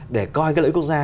để coi cái lợi ích quốc gia